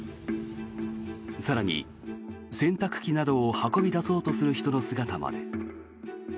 更に、洗濯機などを運び出そうとする人の姿まで。